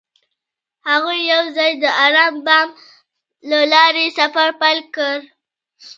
هغوی یوځای د آرام بام له لارې سفر پیل کړ.